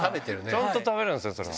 ちゃんと食べるんですね、それは。